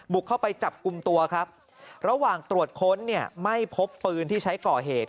เข้าไปจับกลุ่มตัวครับระหว่างตรวจค้นเนี่ยไม่พบปืนที่ใช้ก่อเหตุ